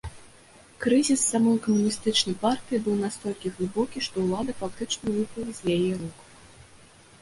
Крызіс самой камуністычнай партыі быў настолькі глыбокі, што ўлада фактычна выпала з яе рук.